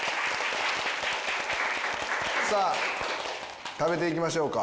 さあ食べていきましょうか。